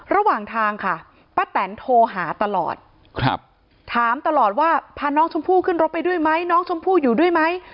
ระหว่างทางค่ะป้าแตนโทรหาตลอดถามตลอดว่าพาน้องชมพู่ขึ้นรถไปด้วยไหมน้องชมพู่อยู่ด้วยไหม